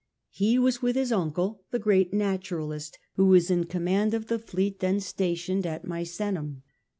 He was youJjgej with his uncle, the great naturalist, who was Pliny in command of the fleet then stationed at Misenum.